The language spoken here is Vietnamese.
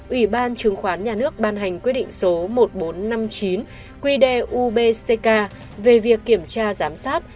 ủy ban chứng khoán nhà nước ban hành quyết định số một nghìn bốn trăm năm mươi chín quy đề ubck về việc kiểm tra giám sát